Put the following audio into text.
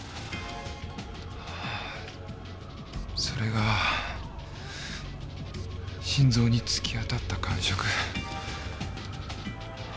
それが心臓に突き当たった感触。